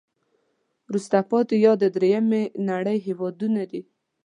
وروسته پاتې یا د دریمې نړی هېوادونه دي.